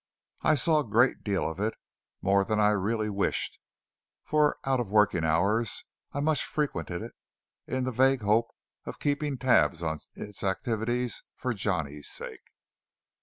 I saw a great deal of it, more than I really wished, for out of working hours I much frequented it in the vague hope of keeping tabs on its activities for Johnny's sake.